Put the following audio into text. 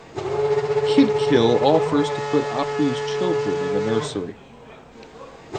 Kidkill offers to put Apu's children in a nursery.